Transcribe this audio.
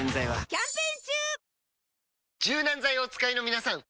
柔軟剤をお使いのみなさん！